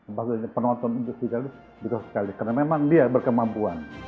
maksudnya penonton untuk aspikal itu